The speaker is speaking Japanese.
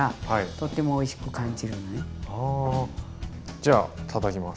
じゃたたきます。